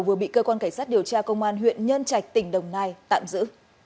vừa bị cơ quan cảnh sát điều tra công an huyện nhân trạch tỉnh đồng nai tạm giữ